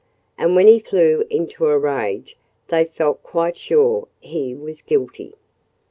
And when he flew into a rage they felt quite sure he was guilty.